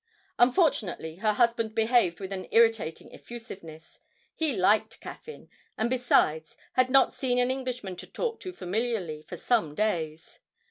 Unfortunately, her husband behaved with an irritating effusiveness; he liked Caffyn, and besides, had not seen an Englishman to talk to familiarly for some days.